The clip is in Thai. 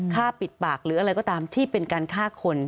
ฆ่าปิดปากหรืออะไรก็ตามที่เป็นการฆ่าคน